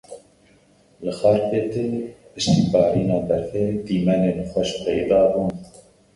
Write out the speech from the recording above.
Li Xarpêtê piştî barîna berfê dîmenên xweş peyda bûn.